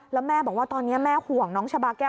แล้วแม่บอกว่าตอนนี้แม่ห่วงน้องชาบาแก้ว